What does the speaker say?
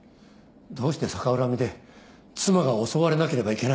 どうして逆恨みで妻が襲われなければいけないんだと。